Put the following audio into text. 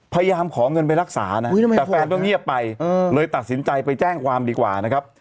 พยายามขอเงินไปรักษานะแต่แฟนก็เงียบไปเลยตัดสินใจไปแจ้งความดีกว่านะครับ